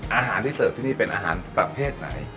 อาหารที่เสิร์ฟที่นี่เป็นอาหารประเภทไหน